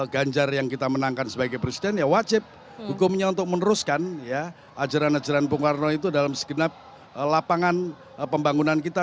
ganjar yang kita menangkan sebagai presiden ya wajib hukumnya untuk meneruskan ajaran ajaran bung karno itu dalam segenap lapangan pembangunan kita